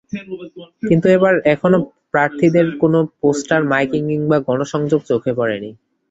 কিন্তু এবার এখনো প্রার্থীদের কোনো পোস্টার, মাইকিং কিংবা গণসংযোগ চোখে পড়েনি।